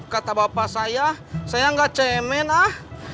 kata bapak saya saya enggak cemen ah